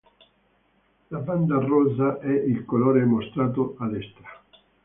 Lavanda rosa è il colore mostrato a destra.